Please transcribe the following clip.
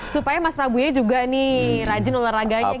supaya mas prabunya juga nih rajin olahraganya gitu ya